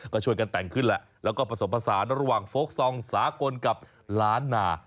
ก็ช่วยกันแต่งขึ้นแหละแล้วก็ผสมผสานระหว่างโฟลกซองสากลกับล้านนา